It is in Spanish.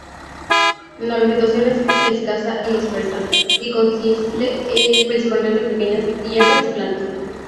La vegetación es escasa y dispersa, y consiste principalmente en pequeñas hierbas y plantas.